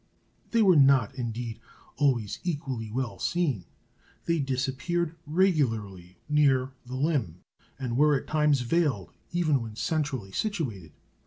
They were not indeed always equally well seen. They disappeared regularly near the limb, and were at times veiled even when centrally situated.